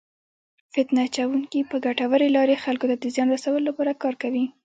فتنه اچونکي په ګټورې لارې خلکو ته د زیان رسولو لپاره کار کوي.